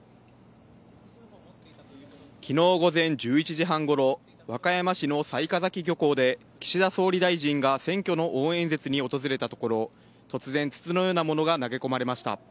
昨日午前１１時半ごろ和歌山市の雑賀崎漁港で岸田総理大臣が選挙の応援演説に訪れたところ突然、筒のようなものが投げ込まれました。